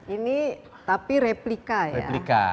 ini tapi replika ya